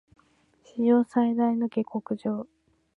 史上最大の下剋上